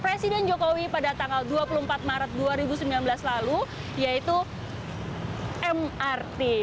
presiden jokowi pada tanggal dua puluh empat maret dua ribu sembilan belas lalu yaitu mrt